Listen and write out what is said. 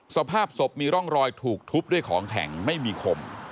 สภาพศพมีร่องรอยถูกทุบด้วยของแข็งไม่มีคม